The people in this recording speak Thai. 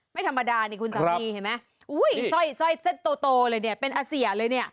ไม่ธรรมดานี่คุณสามีเห็นไหมอุ้ยสร้อยเส้นโตเลยเนี่ยเป็นอาเซียเลยเนี่ย